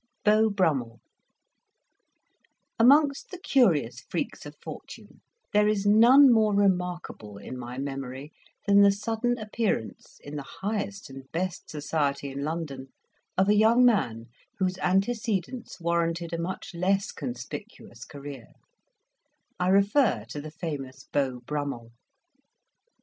BEAU BRUMMELL Amongst the curious freaks of fortune there is none more remarkable in my memory than the sudden appearance, in the highest and best society in London, of a young man whose antecedents warranted a much less conspicuous career: I refer to the famous Beau Brummell.